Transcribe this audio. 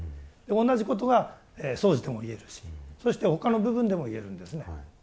同じことが掃除でも言えるしそして他の部分でも言えるんですね。